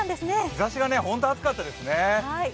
日ざしがホント暑かったですね。